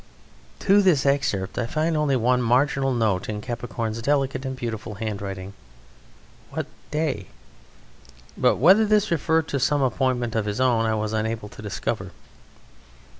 To this excerpt I find only one marginal note in Capricorn's delicate and beautiful handwriting: "What day?" But whether this referred to some appointment of his own I was unable to discover.